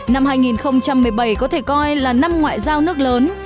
năm hai nghìn một mươi bảy có thể coi là năm ngoại giao nước lớn